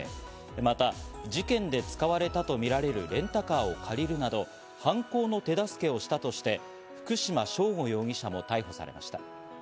また、事件で使われたとみられるレンタカーを借りるなど、犯行の手助けをしたとして福島聖悟容疑者も逮捕されました。